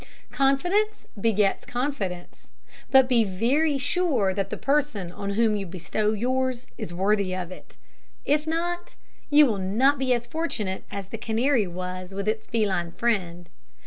Confidence begets confidence; but be very sure that the person on whom you bestow yours is worthy of it. If not, you will not be as fortunate as the canary was with its feline friend.